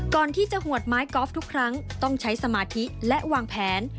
ก่อนที่จะหวดไม้กอล์ฟทุกครั้งต้องใช้สมาธิและวางแผน